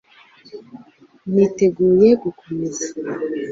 Niteguye gukomeza